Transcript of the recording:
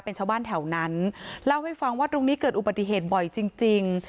เป็นชาวบ้านแถวนั้นเล่าให้ฟังว่าตรงนี้เกิดอุบัติเหตุบ่อยจริงจริง